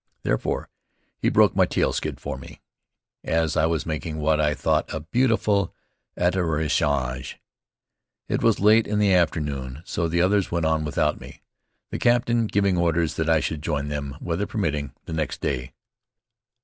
Therefore, he broke my tail skid for me as I was making what I thought a beautiful atterrissage. It was late in the afternoon, so the others went on without me, the captain giving orders that I should join them, weather permitting, the next day.